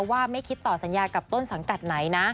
ว่าไม่คิดต่อสัญญากับต้นสังกัดไหนนะ